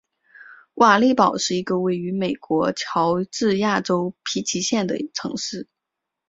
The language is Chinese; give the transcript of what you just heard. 瓦利堡是一个位于美国乔治亚州皮奇县的城市。